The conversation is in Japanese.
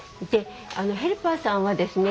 ヘルパーさんはですね